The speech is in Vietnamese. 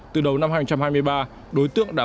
từ đầu năm hai nghìn hai mươi ba đối tượng đã